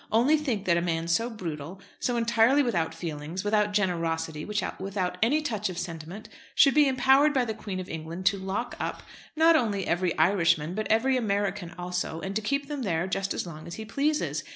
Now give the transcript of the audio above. Only think that a man so brutal, so entirely without feelings, without generosity, without any touch of sentiment, should be empowered by the Queen of England to lock up, not only every Irishman, but every American also, and to keep them there just as long as he pleases!